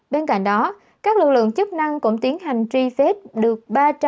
bên cạnh đó các lực lượng chức năng cũng tiến hành tri phết được